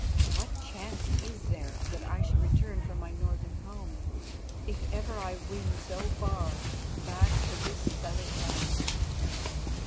"What chance is there that I shall return from my northern home, if ever I win so far, back to this southern land?"